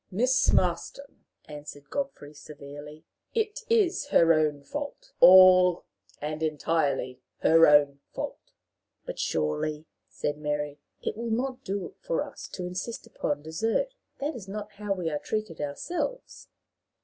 "Miss Marston," answered Godfrey, severely, "it is her own fault all and entirely her own fault." "But, surely," said Mary, "it will not do for us to insist upon desert. That is not how we are treated ourselves."